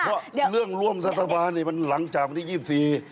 เพราะเรื่องร่วมรัฐบาลนี่มันหลังจากปี๒๔